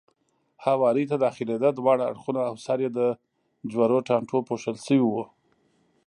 هوارۍ ته داخلېده، دواړه اړخونه او سر یې د جورو ټانټو پوښل شوی و.